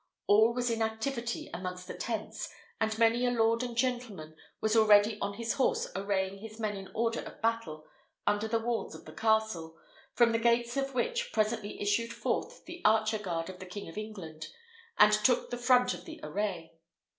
All was in activity amongst the tents, and many a lord and gentleman was already on his horse arraying his men in order of battle under the walls of the castle, from the gates of which presently issued forth the archer guard of the king of England, and took the front of the array.